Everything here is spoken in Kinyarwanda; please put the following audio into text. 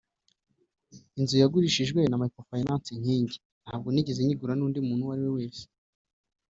Inzu nayigurishijwe na Microfinance Inkingi ntabwo nigeze nyigura n’undi muntu uwo ari we wese